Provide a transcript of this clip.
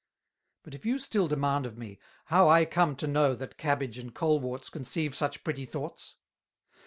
But if you still demand of me, how I come to know that Cabbage and Coleworts conceive such pretty Thoughts?